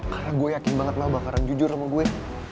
karena gue yakin banget lo bakalan jujur sama gue